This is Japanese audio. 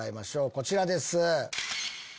こちらです。